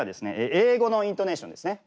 英語のイントネーションですね。